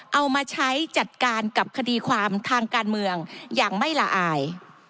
เอามาใช้จัดการกับคดีความทางการเมืองอย่างไม่ละอาย